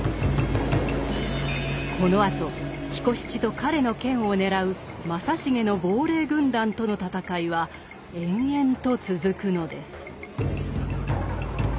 このあと彦七と彼の剣を狙う正成の亡霊軍団との戦いは延々と続くのです。